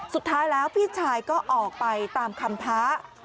สุดท้ายแล้วพี่ชายก็ออกไปตามคำท้า